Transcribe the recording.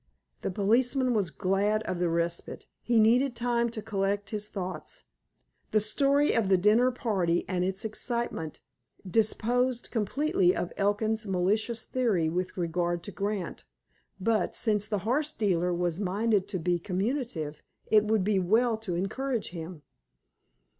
The policeman was glad of the respite. He needed time to collect his thoughts. The story of the dinner party and its excitement disposed completely of Elkin's malicious theory with regard to Grant, but, since the horse dealer was minded to be communicative, it would be well to encourage him.